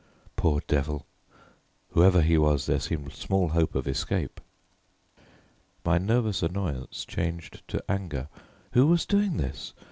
Poor devil! whoever he was, there seemed small hope of escape! My nervous annoyance changed to anger. Who was doing this?